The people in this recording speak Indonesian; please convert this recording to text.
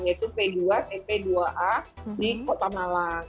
yaitu p dua tp dua a di kota malang